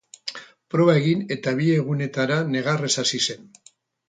Proba egin eta bi egunetara negarrez hasi zen.